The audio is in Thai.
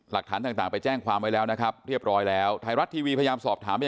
หลักฐานต่างไปแจ้งความไว้แล้วนะครับเรียบร้อยแล้วไทยรัฐทีวีพยายามสอบถามไป